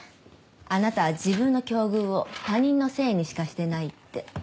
あなたは自分の境遇を他人のせいにしかしてないって。